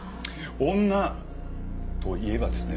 女といえばですね